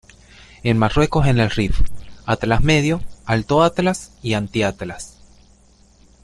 En Marruecos en el Rif, Atlas Medio, Alto Atlas y Anti-Atlas.